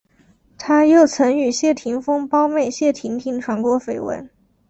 他又曾与谢霆锋胞妹谢婷婷传过绯闻。